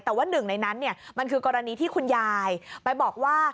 แต่ว่าหนึ่งในนั้นมันคือกรณีที่คุณยายไปบอกว่า